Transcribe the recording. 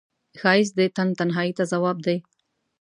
ښایست د تن تنهایی ته ځواب دی